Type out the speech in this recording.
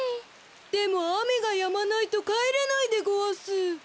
でもあめがやまないとかえれないでごわす。